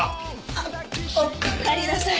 あっおかえりなさい。